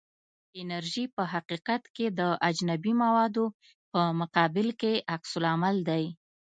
الرژي په حقیقت کې د اجنبي موادو په مقابل کې عکس العمل دی.